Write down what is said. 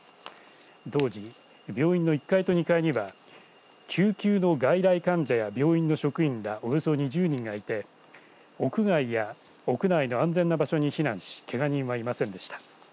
当時、病院の１階と２階には救急の外来患者や病院の職員らおよそ２０人がいて屋外や屋内の安全な場所に避難しけが人は、いませんでした。